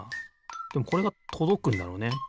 でもこれがとどくんだろうね。